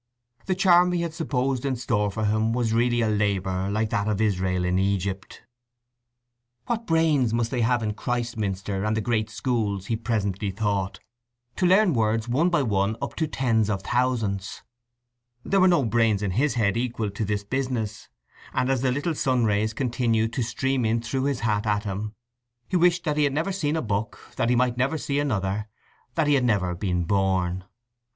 The charm he had supposed in store for him was really a labour like that of Israel in Egypt. What brains they must have in Christminster and the great schools, he presently thought, to learn words one by one up to tens of thousands! There were no brains in his head equal to this business; and as the little sun rays continued to stream in through his hat at him, he wished he had never seen a book, that he might never see another, that he had never been born.